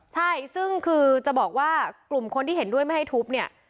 ใช่ซึ่งคือจะบอกว่ากลุ่มคนที่เห็นด้วยไม่ให้ทุบเนี่ย